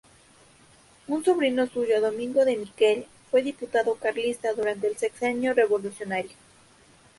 Un sobrino suyo, Domingo de Miquel, fue diputado carlista durante el Sexenio Revolucionario.